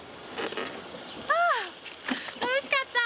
ああ楽しかった。